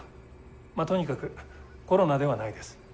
まあとにかくコロナではないです。